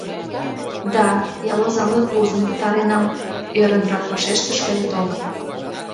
— Да, ял озанлык вузым пытаренам, — ӧрынрак вашештыш Харитонов.